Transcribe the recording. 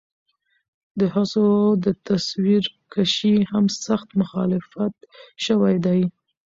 د هڅو د تصويرکشۍ هم سخت مخالفت شوے دے